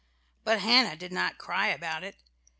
But Hannah did not cry about it.